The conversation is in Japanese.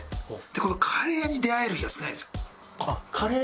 このカレーに出会える日が少ないんですよ。